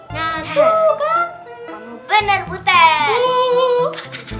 nah tuh kan kamu bener butet